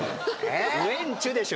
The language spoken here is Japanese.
ウエンチュでしょ。